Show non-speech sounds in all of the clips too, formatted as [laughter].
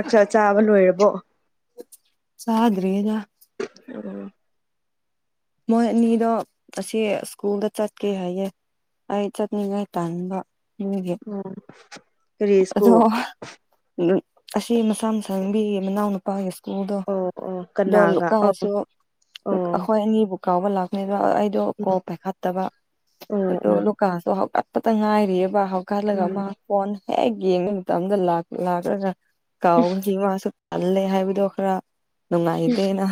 ꯑꯆꯥ ꯆꯥꯕ ꯂꯣꯢꯔꯕꯣ꯫ ꯆꯗ꯭ꯔꯔꯤꯖ [inaudible] ꯃꯣꯏ ꯑꯅꯤꯗꯣ ꯑꯁꯤ ꯁ꯭ꯀꯨꯜꯗ ꯆꯠꯀꯦ ꯍꯥꯏꯌꯦꯦ ꯑꯩꯠꯠꯅꯤꯥꯏ ꯇꯝꯕꯦ ꯎꯝ ꯑꯗꯣ ꯑꯁꯤ ꯃꯁꯥ ꯃꯁꯥꯅꯕꯤ ꯃꯅꯥꯎꯅꯨꯄꯥ ꯅꯨꯄꯥꯒꯤ ꯁ꯭ꯀꯨꯜꯗꯣ ꯑꯣ ꯑꯣ ꯗꯣ ꯀꯅꯥꯒ ꯑꯣ ꯂꯨꯀꯁꯨ ꯂꯨ ꯑꯣ ꯑꯩꯈꯣꯢ ꯑꯅꯤꯕꯨ ꯀꯥꯎꯕ ꯂꯥꯛꯀꯅꯤ ꯑꯗꯨꯗ ꯑꯩꯗꯣ ꯀꯣ ꯄꯥꯏꯈꯠꯇꯕ ꯑꯣ ꯑꯣ ꯍꯧꯞꯀꯠꯄꯇ ꯉꯥꯏꯔꯤꯑꯕ ꯍꯧꯞꯀꯠꯂꯒ ꯎꯝ ꯃꯥ ꯐꯣꯟ ꯍꯦꯛ ꯌꯦꯡꯕ ꯃꯇꯝꯗ ꯂꯥꯛꯂꯒ ꯀꯥꯎꯁꯤ ꯃꯥꯁꯨ ꯇꯜꯂꯦ ꯍꯥꯏꯕꯗꯣ ꯈꯔ ꯅꯪꯥꯏꯗꯦꯅ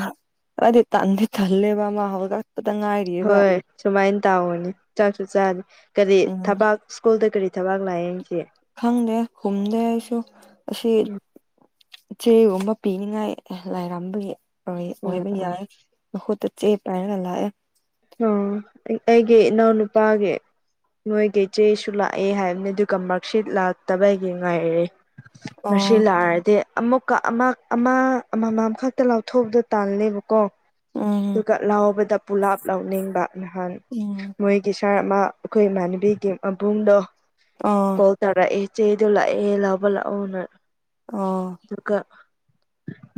ꯑꯗꯤ ꯇꯗ ꯇꯂꯦꯕꯃꯒ ꯑꯠꯄꯗꯪ ꯍꯥꯏ ꯍꯣꯏ ꯁꯨꯃꯥꯏꯅ ꯇꯥꯎꯅꯤ ꯆꯥꯛꯁꯨ ꯆꯥꯗꯦ ꯀꯔꯤ ꯎꯝ ꯊꯕꯥꯛ ꯁ꯭ꯀꯨꯜꯗ ꯀꯔꯤ ꯊꯕꯥꯛ ꯂꯥꯛꯑꯦꯁꯦ ꯈꯪꯗꯦ ꯈꯨꯝꯗꯦ ꯑꯩꯁꯨ ꯑꯁꯤ ꯆꯦꯒꯨꯝꯕ ꯄꯤꯅꯤꯡꯉꯥꯏ ꯂꯥꯏꯔꯝꯕꯒꯤ ꯑꯣ ꯑꯣꯏꯕ ꯑꯣ ꯌꯥꯏꯨ ꯇ ꯆꯦ ꯄꯥꯏꯅ ꯂ ꯑꯣ ꯑꯩꯒꯤ ꯅ ꯅꯨꯄꯥ ꯅꯣꯢꯒꯤ ꯆꯦꯁꯨ ꯂꯥꯛꯑꯦ ꯍꯥꯢꯕꯅꯤ ꯑꯗꯨꯒ ꯃꯥꯔꯛꯁꯤꯠ ꯂꯥꯛꯇꯕꯒꯤ ꯉꯥꯢꯔꯦ ꯑꯣ ꯃꯁꯤꯂꯑꯗꯤꯦ ꯑꯃꯨꯛꯀ ꯑꯃ ꯑꯃ ꯑꯃꯃꯝ ꯈꯛꯇ ꯂꯥꯎꯊꯣꯛꯑꯗ ꯇꯥꯜꯂꯦꯕꯀꯣ ꯎꯝ ꯑꯗꯨꯒ ꯂꯥꯎꯕꯗ ꯄꯨꯂꯥꯞ ꯂꯥꯎꯅꯤꯡꯕ ꯅꯍꯥꯟ ꯎꯝ ꯃꯣꯏꯒꯤ ꯁꯥꯔ ꯑꯃ ꯑꯩꯈꯣꯏ ꯏꯃꯥꯟꯅꯕꯤꯒꯤ ꯃꯕꯨꯡꯗꯣ ꯑꯥ ꯇꯧꯔꯥ ꯑꯦ ꯆꯦꯗꯣ ꯂꯥꯛꯑꯦ ꯂꯥꯎꯕ ꯂꯥꯛꯑꯣꯅ ꯑ ꯑꯗꯨꯒ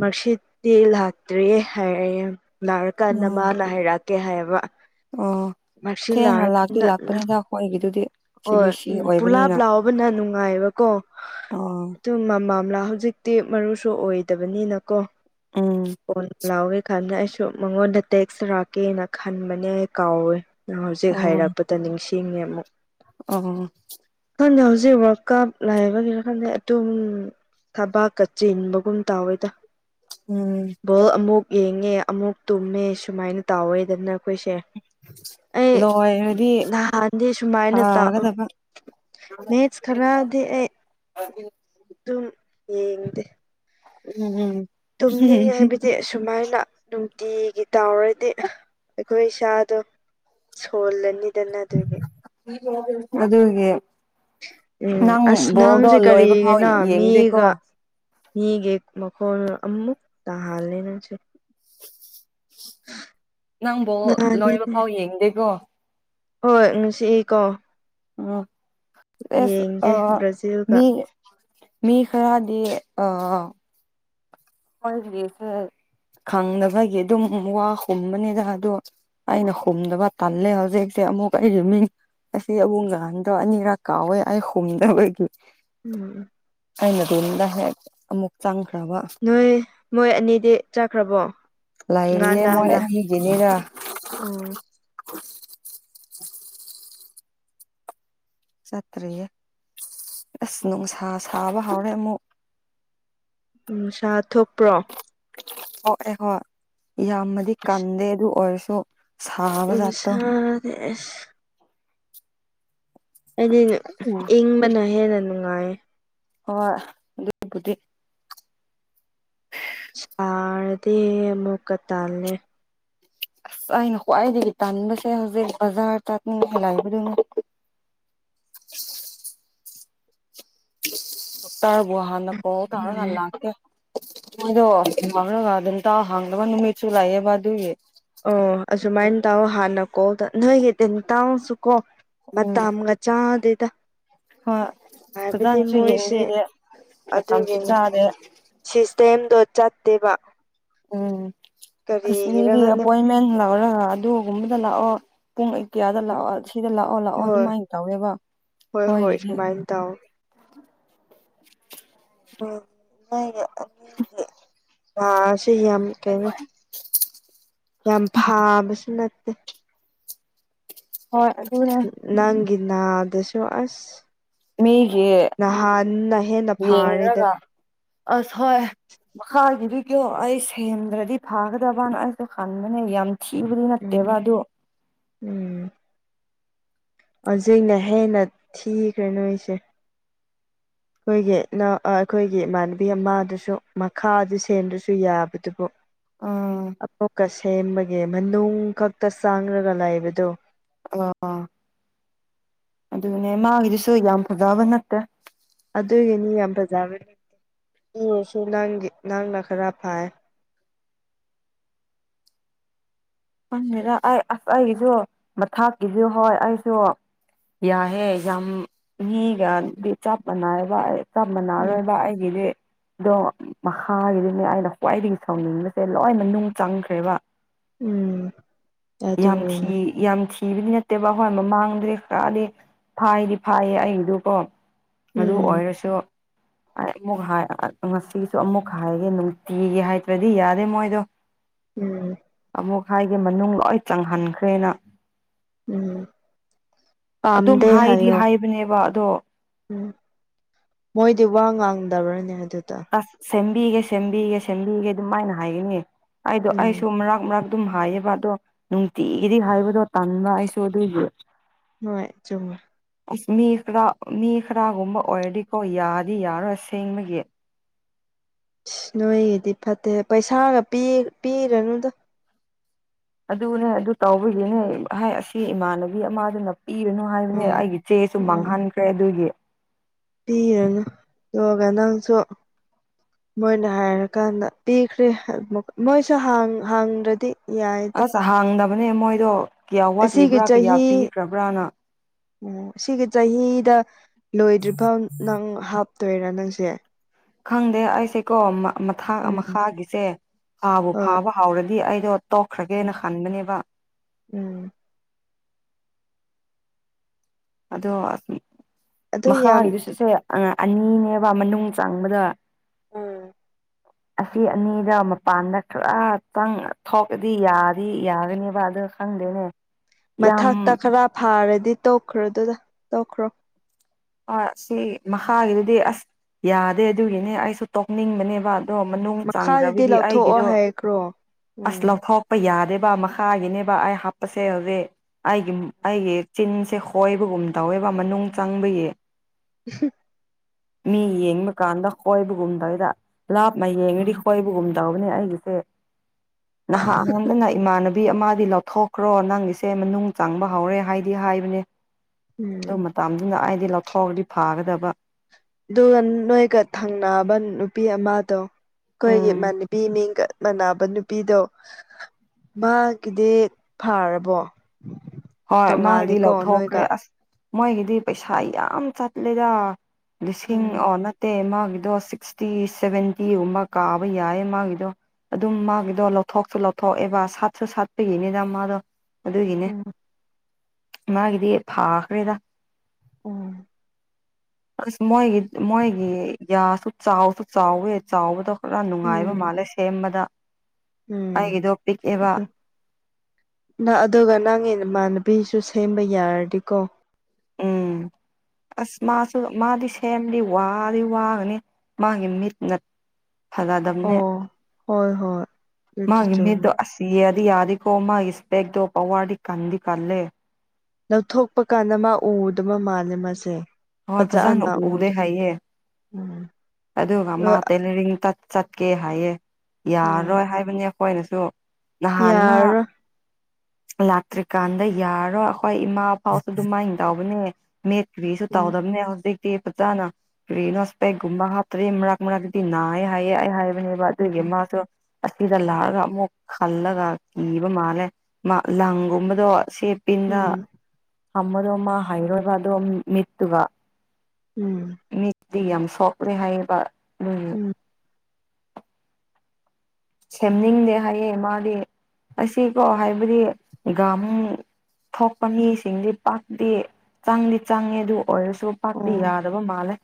ꯃꯥꯛꯁꯤꯠꯇꯤ ꯂꯥꯛꯇ꯭ꯔꯤꯌꯦ ꯍꯥꯏꯔꯛꯑꯦ ꯅꯥꯔꯥꯀꯥꯟꯗ ꯎꯝ ꯃꯥꯅ ꯍꯥꯏꯔꯛꯀꯦ ꯍꯥꯏꯌꯦꯕ ꯑꯣ ꯊꯦꯡꯅ ꯂꯥꯛꯇꯤ ꯂꯥꯛꯄꯅꯦꯗ ꯑꯈꯣꯢꯒꯤꯗꯨꯗꯤ ꯑꯣꯢ ꯎꯝ ꯄꯨꯂꯥꯞ ꯂꯥꯎꯕꯅ ꯅꯨꯡꯉꯥꯢꯕꯀꯣ ꯑꯣ ꯇꯨ ꯃꯝꯃꯝꯂꯥ ꯍꯧꯖꯤꯛ ꯇꯦꯚ ꯃꯔꯨꯁꯨ ꯑꯣꯏꯗꯕꯅꯤꯅ ꯀꯣ ꯎꯝ ꯂꯥꯎꯔꯦ ꯈꯟꯅ ꯑꯩꯁꯨ ꯃꯉꯣꯟꯗ ꯇꯦꯛꯁ ꯔꯥꯛꯀꯦꯅ ꯈꯟꯕꯅꯦ ꯀꯥꯎꯋꯦ꯫ ꯍꯧꯖꯤꯛ ꯑꯣ ꯍꯥꯢꯔꯛꯄꯗ ꯅꯤꯡꯁꯤꯡꯉꯦ ꯃꯨꯛ꯫ ꯑꯣ ꯈꯪꯗꯦ ꯍꯧꯖꯤꯛ ꯋꯥꯔꯜ ꯀꯞ ꯂꯩꯕꯥꯒꯤꯔꯥ ꯈꯪꯗꯦ ꯑꯗꯨꯝ ꯊꯕꯥꯛꯀ ꯆꯤꯟꯕꯒꯨꯝ ꯇꯥꯎꯋꯤꯗ ꯎꯝ ꯕꯣꯜ ꯑꯃꯨꯛ ꯌꯦꯡꯉꯦ ꯑꯃꯨꯛ ꯇꯨꯝꯃꯦ ꯁꯨꯃꯥꯢꯅ ꯇꯥꯎꯋꯦꯗꯅ꯫ ꯑꯩꯈꯣꯏꯁꯦ ꯑꯩ ꯂꯣꯏꯔꯗꯤ ꯅꯍꯥꯟꯗꯤ ꯁꯨꯃꯥꯏꯅ ꯐꯒꯗꯕ ꯃꯦꯠꯁ ꯈ꯭ꯔꯥꯗꯤ ꯑꯩ ꯇꯨꯝ ꯌꯦꯡꯗꯦ 'Inaudible' ꯇꯨꯝꯅꯤꯡꯉꯦ ꯗꯤ ꯁꯨꯃꯥꯢꯅ ꯅꯨꯡꯇꯤꯒꯤ ꯇꯥꯎꯔꯗꯤ ꯑꯩꯈꯣꯢ ꯁꯥꯗꯣ ꯁꯣꯜ ꯂꯥꯅꯤꯗꯅ ꯑꯗꯨꯒꯤ ꯑꯗꯨꯒꯦ ꯎꯝ ꯅꯪ ꯑꯁ ꯕꯣꯜꯗꯣ ꯅꯪꯁꯦ ꯂꯣꯏꯕꯥ ꯐꯥꯎ ꯌꯦꯡꯗꯦꯀꯣ ꯌꯤꯒꯤ ꯃꯈꯣꯜ ꯑꯃꯨꯛ ꯇꯍꯥꯜꯂꯦ ꯅꯪꯁꯦ꯫ ꯅꯪ ꯕꯣꯜ ꯂꯣꯏꯕꯥ ꯐꯥꯎ ꯌꯦꯡꯗꯦꯀꯣ ꯍꯣꯢ ꯅꯨꯡꯁꯤꯏꯀꯣ ꯑꯁ ꯑ ꯕ꯭ꯔꯥꯖꯤꯜꯒ ꯃꯤ [unintelligible] ꯃꯤ ꯈꯔꯗꯤ ꯑ ꯃꯣꯏꯒꯤꯁꯦ ꯈꯪꯗꯕꯥꯒꯤ ꯑꯗꯨꯝ ꯋꯥ ꯍꯨꯝꯕꯅꯤꯗ ꯑꯗꯣ ꯑꯩꯅ ꯍꯨꯝꯗꯕ ꯇꯥꯜꯂꯦ ꯍꯧꯖꯤꯛꯁꯦ ꯑꯃꯨꯛ ꯑꯩꯒꯤ ꯃꯤꯡ ꯑꯁꯤ ꯑꯕꯨꯡ ꯉꯍꯥꯟꯗꯣ ꯑꯅꯤꯔꯛ ꯀꯥꯎꯋꯦ ꯑꯩ ꯍꯨꯝꯗꯕꯒꯤ꯫ ꯎꯝ ꯑꯩꯅꯗꯣꯝꯗ ꯍꯦꯛ ꯑꯃꯨꯛ ꯆꯪꯈ꯭ꯔꯕ ꯅꯣꯏ ꯃꯣꯏ ꯑꯅꯤꯗꯤ ꯆꯠꯈ꯭ꯔꯥꯕꯣ ꯂꯩꯔꯤꯌꯦ ꯃꯣꯏ ꯑꯅꯤꯒꯤꯅꯦꯗ ꯎꯝ ꯆꯠꯇ꯭ꯔꯤꯌꯦ ꯑꯁ ꯅꯨꯡꯁꯥ ꯁꯥꯕ ꯍꯧꯔꯦ ꯑꯃꯨꯛ ꯅꯨꯡꯁꯥ ꯊꯣꯛꯄ꯭ꯔꯣ ꯍꯣꯏ ꯍꯣꯏ ꯌꯥꯝꯅꯗꯤ ꯀꯪꯗꯦ ꯑꯗꯨ ꯑꯣꯏꯔꯥꯁꯨ ꯅꯨꯡꯁꯥꯗꯤ ꯑꯁ ꯑꯩꯗꯤ ꯍꯣꯏ ꯏꯪꯕꯅ ꯍꯦꯟꯅ ꯅꯨꯡꯉꯥꯏꯌꯦ ꯍꯣꯏ ꯑꯗꯨꯒꯤꯕꯨꯗꯤ ꯁꯥꯔꯗꯤ ꯑꯃꯨꯛꯀ ꯇꯥꯜꯂꯦ꯫ ꯑꯁ ꯑꯩꯅ ꯈ꯭ꯋꯥꯏꯗꯒꯤ ꯇꯟꯕꯥꯁꯦ ꯍꯧꯖꯤꯛ ꯕꯖꯥꯔ ꯆꯠꯅꯤꯡꯉꯥꯏ ꯂꯩꯕꯥꯗꯨꯅꯦ ꯣꯛ ꯇꯥꯔꯕꯨ ꯍꯥꯟꯅꯀꯣ ꯇꯥꯔ ꯉꯜ ꯂ ꯀꯦ [unintelligible] ꯃꯣꯢꯗꯣ ꯍꯥꯡꯔꯒ ꯑꯗꯨꯝꯇꯥꯎ ꯍꯥꯡꯗꯕ ꯅꯨꯃꯤꯠꯁꯨ ꯂꯩꯑꯦꯕ ꯑꯗꯨꯒꯤ ꯑꯣ ꯑꯁꯨꯃꯥꯢꯟ ꯇꯧꯌꯣ ꯍꯥꯟꯅ ꯀꯣꯜꯇ ꯅꯣꯢꯒꯤ ꯇꯤꯟꯇꯧꯁꯨꯀꯣ ꯃꯇꯝꯒ ꯆꯥꯗꯦꯗ ꯍꯣꯢ ꯍꯥꯏꯕꯗꯤ ꯐꯖꯅꯁꯨ ꯃꯣꯏꯁꯦ ꯌꯦꯡꯕꯤꯗꯦ ꯃꯇꯝꯁꯨ ꯑꯗꯨꯒꯤꯅꯤ ꯆꯥꯗꯦ꯫ ꯁꯤꯁꯇꯦꯝꯗꯣ ꯆꯠꯇꯦꯕ ꯎꯝ ꯑꯁ ꯀꯔꯤꯒꯤꯔ ꯃꯤꯒꯤ ꯈꯪꯗꯦ ꯑꯦꯄꯣꯢꯟꯃꯦꯟ ꯂꯧꯔꯍ ꯑꯗꯨ ꯒꯨꯝꯕꯗ ꯂꯥꯛꯑꯣ ꯄꯨꯡ ꯑꯩ ꯀꯌꯥꯗ ꯂꯥꯛꯑꯣ ꯁꯤꯗ ꯂꯥꯛꯑꯣ ꯂꯥꯛꯑꯣ ꯍꯣꯏ ꯗꯨꯃꯥꯢꯟ ꯇꯧꯋꯦꯕ ꯍꯣꯏ ꯍꯣꯏ ꯈꯣꯢꯒꯤꯗꯤ ꯁꯨꯃꯥꯏꯅ ꯇꯧ 'Inaudible' 'Inaudible' ꯀꯥꯁꯤ ꯌꯥꯝ ꯀꯩꯅꯣ ꯌꯥꯝ ꯐꯥꯕꯁꯨ ꯅꯠ ꯍꯣꯢ ꯑꯗꯨꯅꯦ ꯅꯪꯒꯤꯤꯅꯥꯗꯁꯨꯋꯥꯁ ꯃꯤꯒꯤ ꯅꯍꯥꯟꯅ ꯍꯦꯟꯅ ꯐꯥꯔꯦꯗꯥ ꯌꯦꯡꯔꯒ ꯑꯁ ꯍꯣꯏ ꯃꯈꯥꯒꯤꯗꯤ ꯀꯣ ꯑꯩ ꯁꯦꯝꯗ꯭ꯔꯥꯗꯤ ꯐꯥꯒꯗꯕꯅ ꯑꯩꯁꯨ ꯈꯟꯕꯥꯅꯦ ꯌꯥꯝ ꯆꯤꯕꯔꯤ ꯎꯝ ꯅꯠꯇꯦꯕ ꯑꯗꯨꯣ ꯎꯝ ꯑꯣꯖꯤꯛꯅ ꯍꯦꯟꯅ ꯊꯤꯈ꯭ꯔꯦ ꯅꯣꯢꯁꯦ꯫ ꯈꯣꯢꯒꯤ ꯅꯥꯎ ꯑ ꯈꯣꯏꯒꯤ ꯃꯥꯟꯅꯕꯤ ꯑꯃꯗꯨꯁꯨ ꯃꯈꯥꯗ ꯁꯦꯡꯗ꯭ꯔꯁꯨ ꯌꯥꯕꯗꯨꯕꯨ꯫ ꯎꯝ ꯑꯃꯨꯛꯀꯥ ꯁꯦꯝꯃꯥꯒꯦ ꯃꯅꯨꯡ ꯈꯛꯇ ꯆꯪꯔꯥꯒ ꯂꯩꯕꯥꯗꯣ ꯑꯣ ꯑꯗꯨꯅꯦ ꯃꯥꯒꯤꯗꯨꯁꯨ ꯌꯥꯝ ꯐꯖꯥꯕ ꯅꯠꯇꯦ ꯑꯗꯨꯒꯤꯅꯤ ꯌꯝ ꯐꯖ 'inaudible' ꯅꯪꯒꯤ ꯅꯪꯅ ꯈꯔ ꯐꯥꯏ꯫ ꯈꯪꯗꯦꯗ ꯑꯩ ꯑꯁ ꯑꯩꯒꯤꯁꯨ ꯃꯥꯊꯛꯀꯤꯁꯨ ꯍꯣꯏ ꯑꯩꯁꯨ ꯌꯥꯏꯍꯦ ꯌꯥꯝ ꯃꯤꯒꯗꯤ ꯆꯞꯄꯅꯥꯏꯕ ꯆꯞ ꯎꯝ ꯃꯥꯟꯅꯔꯣꯏꯕ ꯑꯩꯒꯤꯗꯤ ꯗꯣ ꯃꯈꯥꯒꯤꯗꯨꯅꯦ ꯑꯩꯅ ꯈ꯭ꯋꯥꯢꯗꯒꯤ ꯁꯥꯎꯅꯤꯡꯕꯁꯦ ꯂꯣꯢꯅ ꯅꯨꯡ ꯆꯪꯈ꯭ꯔꯦꯕ꯫ ꯎꯝ ꯌꯥꯝ ꯑꯗꯨꯅ ꯊꯤ ꯌꯥꯝ ꯊꯤꯕꯗꯤ ꯅꯠꯇꯦꯕ ꯍꯣꯢ ꯃꯃꯥꯡꯗ꯭ꯔꯤ ꯈ꯭ꯔꯗꯤ ꯐꯥꯏꯗꯤ ꯐꯥꯏꯌꯦ ꯑꯩꯒꯤꯗꯨ ꯀꯣ꯫ ꯑꯗꯨ ꯎꯝ ꯑꯣꯏꯔꯥꯁꯨ [inaudible] ꯑꯩ ꯑꯃꯨꯛ ꯍꯥꯏ ꯉꯥꯁꯤꯁꯨ ꯑꯃꯨꯛꯀꯥ ꯍꯥꯏꯒꯦ ꯅꯨꯡꯇꯤꯒꯤ ꯍꯥꯏꯗ꯭ꯔꯥꯗꯤ ꯌꯥꯗꯦ ꯃꯣꯏꯗꯣ ꯎꯝ ꯑꯃꯨꯛ ꯍꯥꯏꯒꯦ ꯃꯅꯨꯡ ꯂꯣꯏ ꯆꯪꯍꯟꯈ꯭ꯔꯦꯅ ꯎꯝ ꯑꯗꯨꯝ ꯄꯥꯝꯗꯦ ꯍꯥꯏꯗꯤ ꯍꯥꯏꯌꯣ ꯍꯥꯏꯕꯅꯦꯕ ꯑꯗꯣ ꯎꯝ ꯃꯣꯏꯗꯤ ꯋꯥ ꯉꯥꯡꯗꯕ꯭ꯔꯅꯦ ꯑꯗꯨꯗ ꯑꯁ ꯁꯦꯝꯕꯤꯒꯦ ꯁꯦꯝꯕꯤꯒꯦ ꯁꯦꯝꯕꯤꯒꯦ ꯗꯨꯃꯥꯢꯅ ꯍꯥꯢꯒꯅꯤ ꯑꯩꯗꯣ ꯎꯝ ꯑꯩꯁꯨ ꯃꯔꯥꯛ ꯃꯔꯥꯛ ꯑꯗꯨꯝ ꯍꯥꯏꯌꯦꯕ ꯑꯗꯣ ꯅꯨꯡꯇꯤꯒꯤꯗꯤ ꯍꯥꯏꯕꯗꯣ ꯇꯟꯕ ꯑꯩꯁꯨ ꯑꯗꯨꯒꯤ ꯅꯣꯢ ꯆꯨꯝꯃꯤ꯫ ꯑꯁ ꯃꯤ ꯈꯔ ꯃꯤ ꯈꯔꯥꯒꯨꯝꯕ ꯑꯣꯢꯔꯗꯤꯀꯣ ꯌꯥꯗꯤ ꯌꯥꯔꯣꯢ ꯑꯁꯦꯡꯕꯒꯤ꯫ ꯏꯁ ꯅꯣꯢꯒꯤꯗꯤ ꯐꯠꯇꯦ ꯄꯩꯁꯥꯒ ꯄꯤ ꯄꯤꯔꯅꯨꯗ꯫ ꯑꯗꯨꯅꯦ ꯑꯗꯨ ꯇꯧꯕꯥꯒꯤꯅꯦ ꯍꯥꯏ ꯑꯁꯤ ꯏꯃꯥꯟꯅꯕꯤ ꯑꯃꯗꯨꯅ ꯄꯤꯔꯅꯨ ꯍꯥꯢꯕꯅꯦ ꯎꯝ ꯑꯩꯒꯤ ꯆꯦꯁꯨ ꯃꯥꯡꯍꯟꯈ꯭ꯔꯦ ꯗꯨꯒꯤ ꯄꯤꯔꯥꯅꯨ ꯑꯗꯨꯒ ꯅꯪꯁꯨ ꯃꯣꯏꯅ ꯍꯥꯏꯔꯀꯥꯟꯗ ꯄꯤꯈ꯭ꯔꯦ ꯃꯣꯏꯁꯨ ꯍꯪꯗ꯭ꯔꯥꯗꯤ ꯌꯥꯏꯗ ꯑꯁ ꯍꯥꯡꯗꯕꯅꯦ ꯃꯣꯢꯗꯣ ꯀ꯭ꯌꯥ ꯑꯁꯤꯒꯤ ꯋꯥꯠꯂꯤꯕ꯭ꯔꯥ ꯀꯌꯥ ꯆꯍꯤ ꯄꯤꯈ꯭ꯔꯕ꯭ꯔꯥꯅ ꯑꯣ ꯁꯤꯒꯤ ꯆꯍꯤꯗ ꯂꯣꯢꯗ꯭ꯔꯤꯐꯥꯎ ꯅꯪ ꯍꯥꯞꯇꯣꯢꯔꯥ ꯅꯪꯁꯦ꯫ ꯈꯪꯗꯦ ꯑꯩꯁꯦꯀꯣ ꯃ ꯃꯊꯥ ꯎꯝ ꯃꯈꯥꯒꯤꯁꯦ ꯍꯥꯥꯕꯨ ꯍꯣꯏ ꯐꯥꯕ ꯍꯥꯎꯔꯗꯤ ꯑꯩꯗꯣ ꯇꯣꯛꯈ꯭ꯔꯥꯒꯦꯅ ꯈꯟꯕꯅꯦꯕ ꯎꯝ ꯑꯗꯣ ꯑꯗꯨ ꯌꯥꯝ ꯃꯈꯥꯒꯤꯗꯨꯁꯨ ꯁꯦ ꯑꯅꯤꯅꯦꯕ ꯃꯅꯨꯡ ꯆꯪꯕꯗ ꯎꯝ ꯁꯤ ꯑꯅꯤꯗ ꯃꯄꯥꯟꯗ ꯄꯨꯔꯥ ꯄꯪ ꯊꯣꯛꯑꯗꯤ ꯌꯥꯗꯤ ꯌꯥꯒꯅꯤꯕ ꯑꯗꯣ ꯈꯪꯗꯦꯅꯦ ꯃꯥꯊꯛꯇ ꯌꯥꯝ ꯈꯔꯥ ꯐꯥꯔꯗꯤ ꯇꯣꯛꯈ꯭ꯔꯣ ꯑꯗꯨꯒ ꯇꯣꯛꯈ꯭ꯔꯣ ꯑ ꯁꯤ ꯃꯈꯥꯒꯤꯗꯨꯗꯤ ꯑꯁ ꯌꯥꯗꯦ ꯑꯗꯨꯒꯤꯅꯦ ꯑꯩꯁꯨ ꯇꯣꯛꯅꯤꯡꯕꯅꯦꯕ ꯑꯗꯣ ꯃꯅꯨꯡ ꯃꯈꯥꯗꯗꯤ ꯆꯥꯡꯈ꯭ꯔꯕꯒꯤ ꯂꯧꯊꯣꯛꯑꯣ ꯑꯩꯒꯤꯗꯣ ꯍꯥꯏꯈ꯭ꯔꯣ ꯑꯁ ꯎꯝ ꯂꯧꯊꯣꯛ ꯍꯥꯞꯄ ꯌꯥꯗꯦꯕ ꯃꯈꯥꯒꯤꯅꯦꯕ ꯑꯩ ꯍꯥꯞꯄꯁꯦ ꯍꯧꯖꯤꯦ ꯑꯩꯒꯤ ꯑꯩꯒꯤ ꯆꯤꯟꯁꯦ ꯍꯣꯏꯕꯒꯨꯝ ꯇꯧꯋꯦꯕ ꯃꯅꯨꯡ ꯆꯪꯕꯒꯤ [unintelligible] ꯃꯤ ꯌꯦꯡꯕ ꯀꯥꯟꯗ ꯈꯣꯏꯕꯒꯨꯝꯗꯣꯏꯗ ꯂꯥꯞꯅ ꯌꯦꯡꯉꯗꯤ ꯈꯣꯏꯕꯒꯨꯝꯗ ꯇꯧꯕꯅꯦ ꯑꯩꯒꯤꯁꯦ ꯅꯍꯥ ꯑꯍꯣꯟꯗꯅ ꯏꯃꯥꯟꯅꯕꯤ ꯑꯃꯗꯤ ꯂꯧꯊꯣꯛ ꯀ꯭ꯔꯣ ꯅꯪ ꯏꯁꯦ ꯃꯅꯨꯡ ꯆꯪꯕ ꯍꯧꯔꯦ ꯍꯥꯏꯗꯤ ꯍꯥꯏꯕꯅꯦ ꯎꯝ ꯑꯗꯨ ꯃꯇꯗꯨꯅ ꯑꯩꯗꯤ ꯂꯧꯊꯣꯛ ꯐꯎꯗꯤ ꯐꯥꯒꯗꯕ ꯑꯗꯨꯒ ꯅꯣꯏꯒ ꯊꯪꯅꯕ ꯅꯨꯄꯤ ꯑꯃꯗꯣ ꯑꯩꯈꯣꯏꯒꯤ ꯎꯝ ꯏꯃꯅꯕꯤ ꯃꯤꯡꯒ ꯃꯅꯥꯕ ꯅꯨꯄꯤꯗꯣ ꯃꯥꯒꯤꯗꯤ ꯐꯥꯔꯕꯣ ꯍꯣꯏ ꯃꯥꯒꯤꯗꯤ ꯇꯣꯡꯉꯥꯜꯂꯤꯀꯣ ꯅꯣꯏꯒ ꯂꯧꯊꯣꯛꯈ꯭ꯔꯦ ꯑꯁ ꯃꯣꯏꯒꯤꯗꯤ ꯄꯩꯁꯥ ꯌꯥꯝ ꯆꯠꯂꯦꯗ ꯂꯤꯁꯤꯡ ꯎꯝ ꯑꯣ ꯅꯠꯇꯦ ꯃꯥꯒꯤꯗꯣ ꯁꯤꯛꯁꯇ ꯇꯤ ꯁꯚꯦꯟꯇꯤꯒꯨꯝꯕ ꯀꯥꯕ ꯌꯥꯏꯌꯦ ꯃꯥꯒꯤꯗꯣ ꯑꯗꯨꯝ ꯃꯥꯒꯤꯗꯣ ꯂꯧꯊꯣꯛꯁꯨ ꯂꯧꯊꯣꯛꯑꯦꯕ ꯁꯥꯠꯁꯨ ꯁꯥꯠꯄꯒꯤꯅꯤꯗ ꯃꯥꯗꯣ ꯑꯗꯨꯒꯤꯅꯦ ꯎꯝ ꯃꯥꯒꯤꯗꯤ ꯐꯥꯈ꯭ꯔꯦꯗ ꯑꯣꯝ ꯑꯁ ꯃꯣꯏꯒꯤ ꯃꯣꯏꯒꯤ ꯌꯥꯁꯨ ꯆꯥꯎꯁꯨ ꯆꯥꯎꯋꯦ ꯆꯥꯎꯕꯗꯣ ꯄꯨꯔꯥ ꯅꯨꯡꯉꯥꯏꯕ ꯎꯝ ꯃꯥꯜꯂꯦ ꯁꯦꯝꯕꯗ ꯎꯝ ꯑꯩꯒꯤꯗꯣ ꯄꯤꯛꯑꯦꯕ ꯅ ꯑꯗꯨꯒ ꯅꯪꯒꯤ ꯏꯃꯥꯟꯅꯕꯤꯁꯨ ꯁꯦꯝꯕ ꯌꯥꯔꯗꯤꯀꯣ ꯎꯝ ꯑꯁ ꯃꯥꯁꯨ ꯃꯥꯗꯤ ꯁꯦꯝꯗꯤ ꯋꯥꯗꯤ ꯋꯥꯒꯅꯤ ꯃꯥꯒꯤꯦ ꯃꯤ ꯅ ꯐꯖꯥꯗꯝꯅꯦ ꯑꯣ ꯍꯣꯏ ꯍꯣꯏ ꯑꯗꯨꯗꯤ ꯃꯥꯒꯤ ꯃꯤꯠꯗꯣ ꯆꯨꯝꯃꯦ ꯑꯁ ꯁꯤ ꯌꯥꯗꯤ ꯌꯥꯔꯤꯀꯣꯃ ꯏ ꯏꯁꯄꯦꯛꯦꯛꯗꯣ ꯄꯋꯥꯗꯤ ꯀꯗꯤ ꯀꯂꯦ ꯂꯧꯊꯣꯛꯄ ꯀꯥꯟꯗ ꯃꯥ ꯎꯗꯕ ꯃꯥꯜꯂꯦ ꯃꯥꯁꯦ ꯍꯣꯏ ꯐꯖꯅ ꯎꯗꯦ ꯍꯥꯏꯌꯦ ꯎꯝ ꯑꯗꯨꯒ ꯃꯥ ꯇꯦꯂꯔꯤꯡ ꯆꯠ ꯆꯠꯀꯦ ꯍꯥꯏꯌꯦ ꯌꯥꯔꯔꯣꯏ ꯍꯥꯏꯕꯅꯤ ꯑꯩꯈꯣꯏꯅꯁꯨ ꯅꯍꯥꯟꯅ ꯌꯥꯔꯔꯣꯏ ꯂꯥꯛꯇ꯭ꯔꯤꯀꯥꯟꯗ ꯌꯥꯔꯣ ꯑꯩꯈꯣꯏ ꯏꯃꯥ ꯐꯥꯎ ꯑꯗꯨꯃꯥꯏꯅ ꯇꯧꯕꯅꯦ ꯃꯤꯠ ꯐꯁꯨꯇꯥ ꯎꯝ ꯑꯣꯗꯕꯅꯦ ꯐꯖꯥꯅ ꯀꯔꯤꯅꯣꯁꯄꯦꯛꯒꯨꯝꯕ ꯍꯥꯞꯇ꯭ꯔꯦ ꯃꯔꯛ ꯃꯔꯛꯇꯗꯤ ꯅꯥꯑ ꯍꯥꯏꯌꯦ ꯑꯩ ꯍꯥꯏꯕꯅꯦ ꯑꯗꯨꯒꯤ ꯎꯝ ꯃꯥꯁꯨ ꯑꯁꯤꯗ ꯂꯥꯛꯑꯒ ꯑꯃꯨꯛ ꯈꯜꯂꯒ ꯀꯤꯕ ꯃꯥꯜꯂꯦ ꯂꯪꯒꯨꯝꯕꯗꯣ ꯁꯦꯞꯄꯤꯤꯟꯒ ꯎꯝ ꯑꯃꯔꯣ ꯃꯥ ꯍꯥꯏꯔꯣꯕꯗꯣ ꯃꯤꯠꯇꯨꯒ ꯎꯝ ꯃꯤ ꯌꯥꯝ ꯁꯣꯛꯅꯦ ꯍꯥꯏ ꯎꯝ ꯁꯦꯝꯅꯤꯡꯗꯦ ꯍꯥꯏꯌꯦ ꯃꯥꯗꯤ ꯑꯁꯤꯀꯣ ꯍꯥꯏꯕꯗꯤ ꯏꯒꯥꯃꯨꯅꯤ [inaudible] ꯊꯣꯛꯄ ꯃꯤꯁꯤꯡꯗꯤ ꯄꯥꯛꯇꯤ ꯆꯪꯗꯤ ꯆꯪꯉꯦ ꯑꯗꯨ ꯑꯣꯏꯔꯁꯨ ꯄꯥꯛꯇꯤ ꯌꯥꯗꯕ ꯃꯥꯜꯂꯦ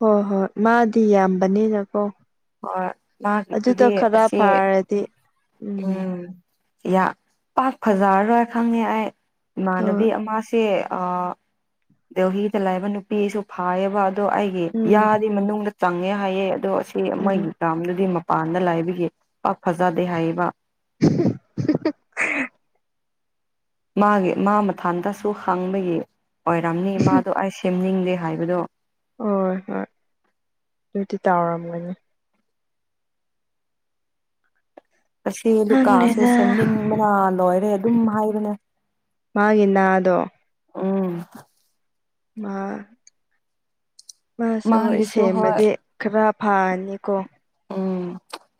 ꯍꯣ ꯍꯣ ꯃꯥꯗꯤ ꯌꯥꯝꯕꯅꯤꯅꯀꯣ ꯍꯣꯏ ꯑꯗꯨꯗ ꯃꯥꯒꯤꯗꯨꯗꯤ ꯈꯔ ꯑꯁꯤ ꯐꯔ ꯇ ꯎꯝ ꯌꯥ ꯄꯥꯛ ꯐꯖꯔꯔꯣꯏ ꯈꯪꯉꯦ ꯑꯩ ꯍꯣꯏ ꯏꯃꯥꯟꯅꯕꯤ ꯑꯃꯁꯥꯁꯦ ꯗꯦꯜꯂꯤ ꯂꯩꯕ ꯅꯨꯄꯤꯁꯨ ꯐꯥꯏꯌꯦꯕ ꯑꯗꯣ ꯑꯩꯒꯤ ꯎꯝ ꯌꯥꯗꯤ ꯃꯅꯨꯡꯗ ꯆꯪꯉꯦ ꯍꯥꯏꯌꯦ ꯑꯗꯣ ꯁꯤ ꯎꯝ ꯃꯣꯏꯒꯤ ꯇꯥꯝꯗꯨꯗꯤ ꯃꯄꯥꯟꯗ ꯂꯥꯏꯕꯒꯤ ꯄꯥꯛ ꯐꯖꯥꯗꯦ ꯍꯥꯏꯌꯦꯕ [unintelligible] ꯃꯥꯒꯤ ꯃꯥ ꯃꯊꯥꯟꯇꯁꯨ ꯍꯥꯡꯕꯒꯤ ꯑꯣꯏꯔꯝꯅꯤ ꯃꯥꯗꯣ ꯑꯩ ꯁꯦꯝꯅꯤꯡꯗꯦ ꯍꯥꯏꯕꯗꯣ ꯍꯣꯏ ꯍ ꯑꯗꯨꯇꯤ ꯇꯧꯎꯔꯝꯒꯅꯤ ꯑꯁꯤ ꯂꯨꯀꯥꯁꯨ ꯈꯪꯗꯦꯗ ꯁꯦꯝꯅꯤꯡꯕꯅ ꯂꯣꯏꯔꯦ ꯑꯗꯨꯝ ꯍꯥꯏꯕꯅꯦ ꯃꯥꯒꯤ ꯅꯥꯗꯣ ꯎꯝ ꯃꯥ ꯃꯥꯁꯨ ꯍꯣꯏ ꯃꯥꯒꯤꯗꯨꯁꯨ ꯍꯣꯏ ꯁꯦꯝꯃꯗꯤ ꯈꯔ ꯐꯥ꯭ꯔꯅꯤꯀꯣ ꯎꯝ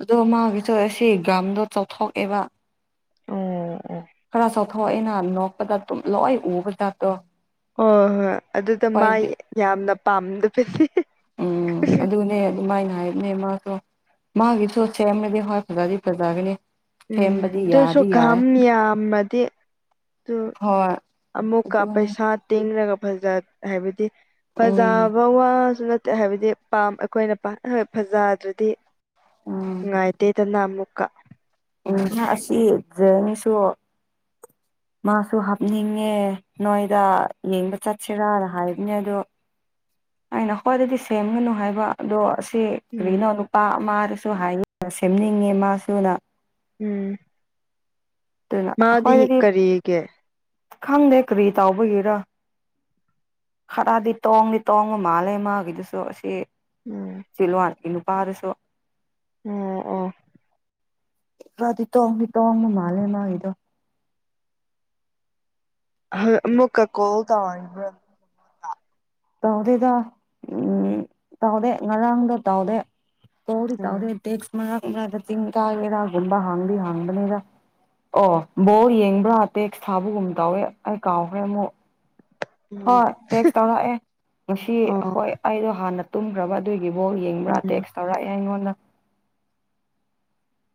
ꯑꯗꯨꯒꯣ ꯃꯥꯒꯤꯆꯣ ꯑꯁꯤ ꯒ꯭ꯔꯝꯗꯣ ꯆꯥꯎꯊꯣꯛꯑꯦꯕ ꯑꯣ ꯑꯣ ꯈꯔ ꯆꯥꯎꯊꯣꯛꯑꯦꯅ ꯅꯣꯛꯄꯗ ꯇꯨꯝ ꯂꯣꯏ ꯎꯕ ꯖꯥꯠꯇꯣ ꯍꯣꯏ ꯍꯣꯏ ꯑꯗꯨꯗ ꯃꯥ ꯍꯣꯏꯗꯤ ꯌꯥꯝꯅ ꯄꯥꯝꯗꯕ [unintelligible] ꯎꯝ ꯑꯗꯨꯅꯦ ꯃꯥꯏꯅ ꯍꯥꯏꯕꯅꯦ ꯃꯥꯁꯨ ꯃꯥꯒꯤꯁꯨ ꯁꯦꯝꯔꯗꯤ ꯍꯣꯏ ꯐꯖꯗꯤ ꯐꯖꯥꯒꯅꯤ ꯎꯝ ꯑꯗꯨꯁꯨ ꯀꯝ ꯌꯥꯝꯃꯥꯗꯤ ꯑꯗꯨ ꯍꯣꯏ ꯑꯃꯨꯛꯀ ꯑꯗꯨꯅꯦ ꯄꯩꯁꯥ ꯇꯦꯡꯔꯒ ꯐꯖ ꯍꯥꯏꯕꯗꯤ ꯎꯝ ꯐꯖꯕ ꯋꯥꯁꯨ ꯍꯥꯏꯕꯗꯤ ꯄꯥꯝ ꯑꯩꯈꯣꯏꯅ ꯄꯥ [unintelligible] ꯐꯖꯗ꯭ꯔꯗꯤ ꯎꯝ ꯅꯨꯡꯉꯥꯏꯇ ꯑꯦ ꯇꯅ ꯑꯃꯨꯀꯥ ꯏꯗꯤ ꯑꯁꯤ ꯖꯔꯅꯤꯁꯨ ꯃꯥꯁꯨ ꯍꯥꯞꯅꯤꯡꯉꯦ ꯅꯣꯏꯗ ꯌꯦꯡꯕ ꯆꯠꯁꯤꯔꯥꯅ ꯍꯥꯏꯕꯅꯦ ꯑꯗꯣ ꯑꯩꯅ ꯈ꯭ꯋꯥꯏꯗꯗꯤ ꯁꯦꯝꯒꯅꯨ ꯍꯥꯏꯕ ꯑꯗꯣ ꯑꯁꯤ ꯎꯝ ꯀꯔꯤꯗꯒꯤꯒꯤꯅꯣ ꯅꯨꯄꯥ ꯑꯃꯗꯁꯨ ꯍꯥꯏ ꯁꯦꯝꯅꯤꯡꯉꯦ ꯃꯥꯁꯨꯅ ꯎꯝ ꯑꯗꯨꯅ ꯃꯥꯗꯤ ꯑꯩꯈꯣꯏꯗꯗꯤ ꯀꯔꯤꯒꯤ ꯈꯪꯗꯦ ꯀꯔꯤ ꯇꯥꯎꯕꯒꯤꯔ ꯈꯔꯗꯤ ꯇꯣꯡꯗꯤ ꯇꯣꯡꯕ ꯃꯥꯜꯂ ꯃꯥꯒꯤꯗꯨꯁꯨ ꯑꯁꯤ ꯎꯝ ꯁꯤꯜꯂꯨꯋꯥ ꯅꯨꯄꯥꯔꯁꯨ ꯎꯝ ꯑꯣ ꯈ꯭ꯔꯥꯗꯤ ꯇꯣꯡꯗꯤ ꯇꯪꯡꯕ ꯃꯥꯜꯂꯦ ꯃꯥꯒꯤꯗꯣ ꯃꯀꯥ ꯀꯣ ꯇ ꯇꯥꯎꯗꯦꯗ ꯎꯎꯝ ꯇꯥꯎꯗꯦ ꯉꯔꯥꯡꯗ ꯇꯥꯎꯗꯦ ꯇꯧꯗꯤ ꯎꯝ ꯇꯥꯎꯗꯦ ꯇꯦꯛꯁ ꯃꯗ ꯇꯤꯡ ꯇꯑꯒꯦꯔꯒꯕ ꯍꯥꯡꯕꯤ ꯍꯥꯡꯕꯅꯦꯔ ꯑꯣ ꯕꯣꯜ ꯌꯦꯡꯕ꯭ꯔꯥ ꯇꯦꯛꯁ ꯊꯥꯕꯒꯨꯝ ꯇꯧꯋꯦ ꯑꯩ ꯀꯥꯎꯈ꯭ꯔꯦ ꯑꯃꯨꯛ ꯎꯝ ꯍꯣꯏ ꯇꯦꯛꯁ ꯇꯧꯔꯛꯑꯦ ꯉꯁꯤ ꯑꯣ ꯑꯩꯈꯣꯏ ꯑꯩꯗꯣ ꯍꯥꯟꯅ ꯇꯨꯝꯈ꯭ꯔꯕ ꯑꯗꯨꯏꯒꯤꯕꯨꯣ ꯌꯦꯡꯕ꯭ꯔꯥ ꯎꯝ ꯇꯦꯛꯁ ꯇꯧꯔꯛꯑꯦ ꯑꯩꯉꯣꯟꯗ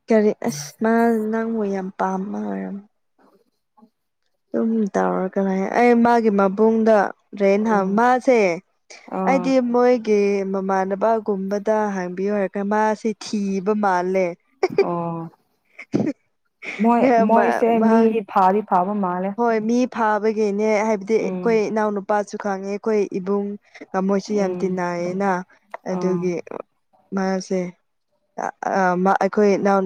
ꯀꯔꯤ ꯑꯁ ꯃꯥ ꯅꯪꯕꯨ ꯌꯥꯝ ꯄꯥꯝꯃ ꯍꯥꯏꯔꯝ [inaudible] ꯑꯗꯨꯨꯝ ꯇꯧꯔ ꯀ ꯑꯩ ꯃꯥꯒꯤ ꯃꯕꯨꯡꯗ ꯗ꯭ꯔꯦꯟ ꯍ ꯃꯥꯁꯦ ꯑꯥ ꯍꯥꯏꯗꯤ ꯃꯣꯏꯒꯤ ꯃꯃꯥꯟꯅꯕꯒꯨꯝꯕꯗ ꯍꯥꯡꯕꯤꯌꯨ ꯍꯥꯏꯔꯒꯥꯟ ꯃꯥꯁꯦ ꯊꯤꯕ ꯃꯥꯜꯂꯦ [unintelligible] ꯑꯣ ꯃꯣꯏ ꯃꯣꯏꯁꯦ ꯃꯤꯗꯤ ꯐꯥꯗꯤ ꯐꯥꯕ ꯃꯥꯜꯂꯦ ꯍꯣꯏ ꯃꯤ ꯐꯥꯕꯒꯤꯅꯦ ꯍꯥꯏꯕꯗꯤ ꯎꯝ ꯑꯈꯣꯏ ꯏꯅꯥꯎꯅꯨꯄꯥꯁꯨ ꯈꯪꯉꯦ ꯑꯩꯈꯣꯏ ꯏꯕꯨꯡ ꯀꯃꯣꯏꯁꯨ ꯌꯥꯝ ꯎꯝ ꯇꯤꯟꯅꯏꯌꯦꯦꯅ ꯑꯥ ꯑꯗꯨꯒꯤ ꯃꯥꯁꯦ ꯑꯩꯈꯣꯏꯎ ꯅꯪ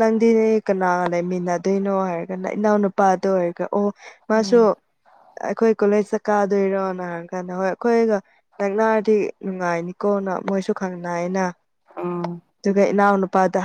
ꯅꯪꯗꯤꯅꯦ ꯀꯅꯥ ꯂꯩꯃꯤꯟꯅꯗꯣꯏꯅꯣ ꯍꯥꯏꯔꯒꯅ ꯏꯅꯥꯎꯅꯄꯤ ꯄꯥꯊ ꯍꯥꯏꯒ ꯑꯣ ꯃꯥꯁꯣ ꯎꯝ ꯑꯩꯈꯣꯏ ꯀꯣꯂꯦꯖ ꯆ ꯀꯥꯗꯣꯏꯔꯣꯅ ꯍꯥꯏꯔ ꯀꯥꯟꯗ ꯍꯣꯏ ꯑꯩꯈꯣꯏꯒ ꯅꯛꯅꯥꯔꯗꯤ ꯅꯨꯡꯉꯥꯏꯅꯤꯀꯣꯅ ꯃꯣꯏꯁꯨ ꯈꯪ ꯅꯥꯏꯅ ꯑꯥꯝ ꯑꯗꯨꯒꯅꯥꯅ ꯄꯗ